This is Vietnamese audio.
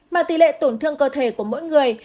mà tỷ lệ tổn thương cơ thể của mỗi người